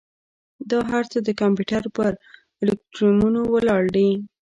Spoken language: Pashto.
دا هر څه د کمپیوټر پر الگوریتمونو ولاړ دي.